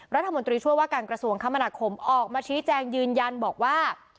รัฐมนตรีช่วยว่าการกระทรวงคมนาคมออกมาชี้แจงยืนยันบอกว่า